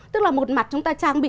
tức là một mặt chúng ta trang bị